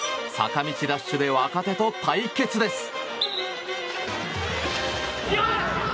坂道ダッシュで若手と対決です。